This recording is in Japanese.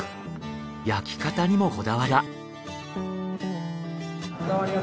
焼き方にもこだわりが。